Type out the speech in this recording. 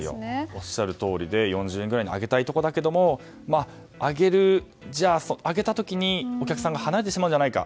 おっしゃるとおりで４０円ぐらいに上げたいところだけど上げた時に、お客さんが離れてしまうんじゃないか。